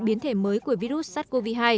biến thể mới của virus sars cov hai